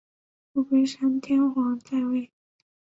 后龟山天皇在位。